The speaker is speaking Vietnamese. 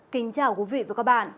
kính chào quý vị và các bạn